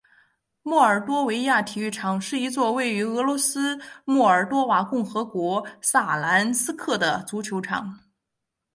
莫尔多维亚体育场是一座位于俄罗斯莫尔多瓦共和国萨兰斯克的足球场。